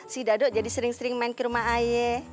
si dado jadi sering sering main ke rumah aye